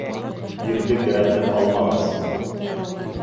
Ирлек рәте ҡалмағас!